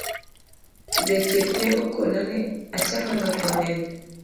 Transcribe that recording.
Jathieth ne okona ni acham alot mang’eny